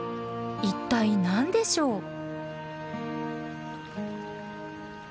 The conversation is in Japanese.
一体何でしょう？